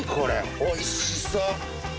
おいしそう。